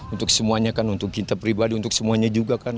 untuk semuanya kan untuk kita pribadi untuk semuanya juga kan